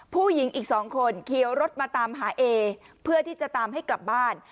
ผู้หญิงอีกสองคนเขียวรถมาตามหาเอเพื่อที่จะตามให้กลับบ้าน